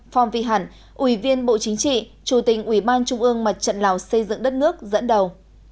phon vy hẳn ủy viên bộ chính trị chủ tịch ủy ban trung ương mặt trận lào xây dựng đất nước dẫn đầu